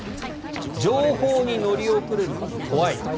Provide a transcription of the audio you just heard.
情報に乗り遅れるのが怖い。